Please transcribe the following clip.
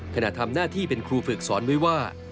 ขณะทำหน้าที่เป็นครูฝึกสอนไว้ว่า